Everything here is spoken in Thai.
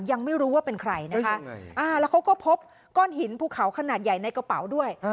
ยังไม่รู้ว่าเป็นใครนะคะแล้วเขาก็พบก้อนหินภูเขาขนาดใหญ่ในกระเป๋าด้วย